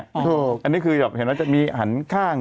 อันนี้คือแบบเห็นว่าจะมีหันข้าง